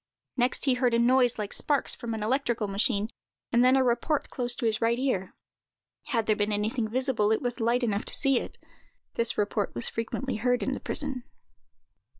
Next he heard a noise, like sparks from an electrical machine, and then a report close to his right ear. Had there been anything visible, it was light enough to see it. This report was frequently heard in the prison.